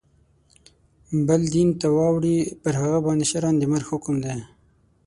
بل دین ته واوړي پر هغه باندي شرعاً د مرګ حکم دی.